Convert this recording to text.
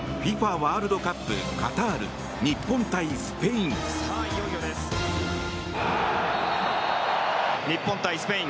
ワールドカップカタール、日本対スペイン。